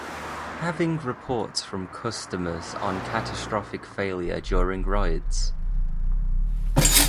Having reports from customers on catastrophic failure during rides.